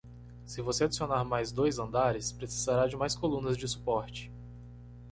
Se você adicionar mais dois andares?, precisará de mais colunas de suporte.